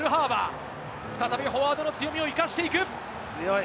再びフォワードの強みを生かして強い。